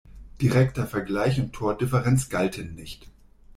Direkter Vergleich und Tordifferenz galten nicht.